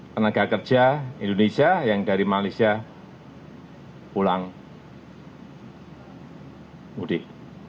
tenaga kerja indonesia yang dari malaysia pulang mudik